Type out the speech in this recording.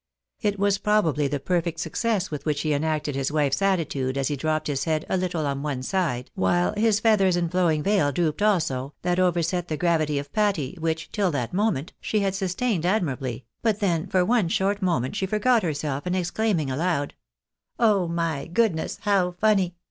It was probably the perfect success with which he enacted his wife's attitude as he drooped his head a little on one side, while his feathers and flowing veil drooped also, that overset the gravity of Patty, which, till that moment, she had sustained admirably, but then, for one short moment, she forgot herself, and exclaiming aloud, " Oh ! my goodness, how funny